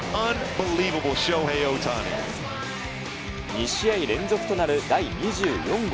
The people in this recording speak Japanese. ２試合連続となる第２４号。